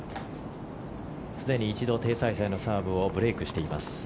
すでに一度テイ・サイサイのサーブをブレークしています。